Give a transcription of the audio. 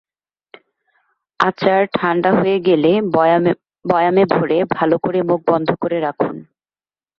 আচার ঠান্ডা হয়ে গেলে বয়ামে ভরে ভালো করে মুখ বন্ধ করে রাখুন।